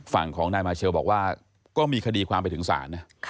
ฝั่งของนายมาเชลบอกว่าก็มีคดีความไปถึงศาลนะ